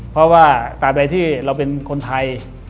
เพราะว่าสำหรับเราเป็นคนไทย